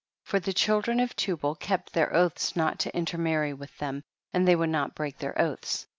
8. For the children of Tubal ke}>t their oaths not to intermarry with them, and they would not break their oaths.